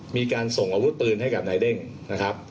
มีการส่งอาวุธปืนให้กับนายเด้งนะครับ